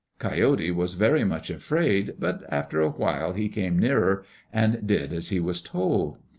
Coyote was very much afraid, but after a while he came nearer and did as he was told.